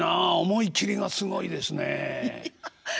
思い切りがすごいですねえ。